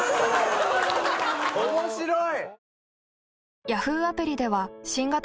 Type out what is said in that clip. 面白い！